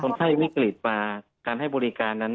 คนไข้มีกรีดปลาการให้บริการนั้น